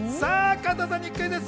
加藤さんにクイズッス。